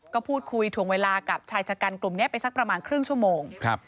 ก็พูดคุยถวงเวลากับชายชะกันกลุ่มนี้ไปสักประมาณครึ่งชั่วโมง